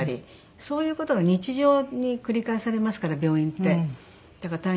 そういう事が日常に繰り返されますから病院って。